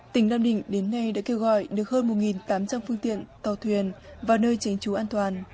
tỉnh nam định đến nay đã kêu gọi được hơn một tám trăm linh phương tiện tàu thuyền vào nơi tránh trú an toàn